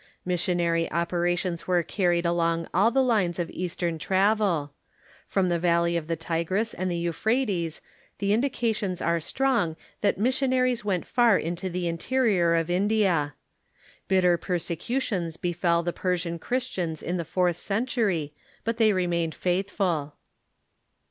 Mis sionary operations were carried on along all the lines of East ern travel. From the valley of the Tigris and the Euphrates the indications are strong that missionaries went far into the interior of India. Bitter persecutions befell the Persian Chris tians in the fourth century, but they remained faithful.